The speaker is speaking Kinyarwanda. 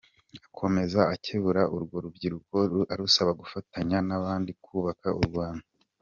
Akomeza akebura urwo rubyiruko arusaba gufatanya n’abandi kubaka u Rwanda.